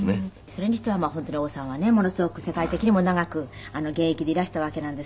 それにしてはまあ本当に王さんはねものすごく世界的にも長く現役でいらしたわけなんですけど。